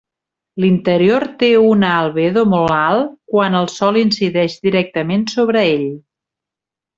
L'interior té una albedo molt alt quan el Sol incideix directament sobre ell.